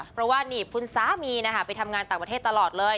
เพราะว่าหนีบคุณสามีไปทำงานต่างประเทศตลอดเลย